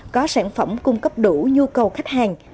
có sản phẩm cung cấp đủ nhu cầu khách hàng